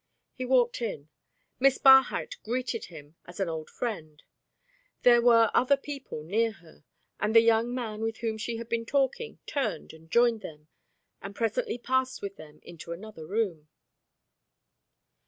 He walked in: Miss Barhyte greeted him as an old friend: there were other people near her, and the young man with whom she had been talking turned and joined them, and presently passed with them into another room.